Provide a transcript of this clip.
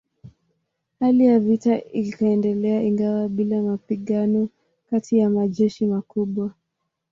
Hali ya vita ikaendelea ingawa bila mapigano kati ya majeshi makubwa.